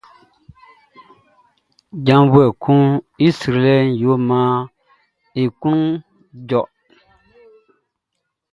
Djavuɛ kun i srilɛʼn yo maan e klun jɔ.